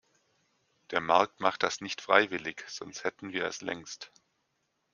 Der Markt macht das nicht freiwillig, sonst hätten wir es längst.